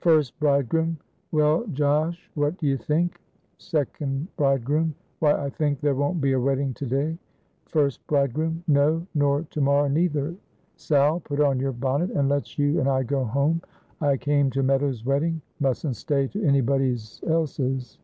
1st Bridegroom. "Well, Josh, what d'ye think?" 2d Bridegroom. "Why, I think there won't be a wedding to day." 1st Bridegroom. "No, nor to morrow neither. Sal, put on your bonnet and let's you and I go home. I came to Meadows' wedding; mustn't stay to anybody's else's."